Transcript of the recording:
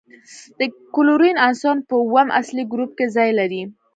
د کلورین عنصر په اووم اصلي ګروپ کې ځای لري.